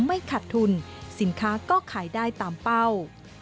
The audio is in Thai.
ไม่ขัดทุนสินค้าก็ขายได้ตามเป้า